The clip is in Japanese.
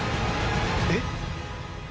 「えっ？」